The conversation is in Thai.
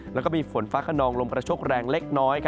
และมีฝนฟ้าขนองลงประชกแรงเล็กน้อย